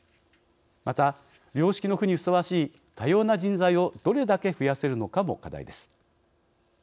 また良識の府にふさわしい多様な人材をどれだけ増やせるのかも課題です。